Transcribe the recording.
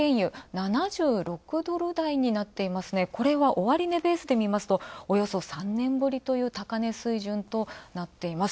７６ドル台になっていますね、これは終値ベースで見ますと、およそ３年ぶりという高値水準となっています。